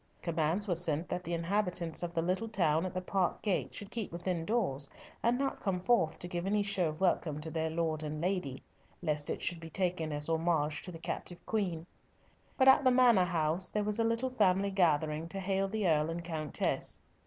Commands were sent that the inhabitants of the little town at the park gate should keep within doors, and not come forth to give any show of welcome to their lord and lady, lest it should be taken as homage to the captive queen; but at the Manor house there was a little family gathering to hail the Earl and Countess.